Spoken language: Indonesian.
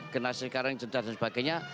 genasi sekarang cerdas dan sebagainya